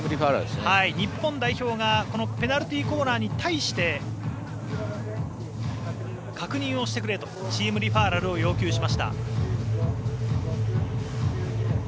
日本代表がペナルティーコーナーに対して確認をしてくれとチームリファーラルを要求しました。